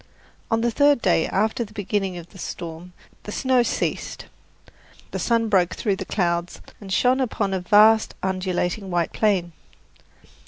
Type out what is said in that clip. On the third day after the beginning of the storm the snow ceased. The sun broke through the clouds and shone upon a vast, undulating white plain.